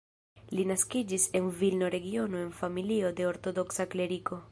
Li naskiĝis en Vilno-regiono en familio de ortodoksa kleriko.